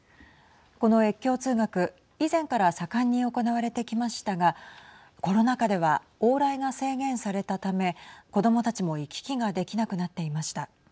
この越境通学、以前から盛んに行われてきましたがコロナ禍では往来が制限されたため子どもたちも行き来ができなくなっていました。